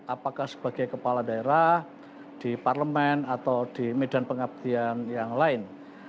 apakah sebagai kepala daerah di parlemen atau di medan pengabdian yang lain